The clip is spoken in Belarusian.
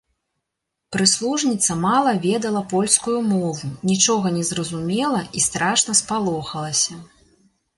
Прыслужніца мала ведала польскую мову, нічога не зразумела і страшна спалохалася.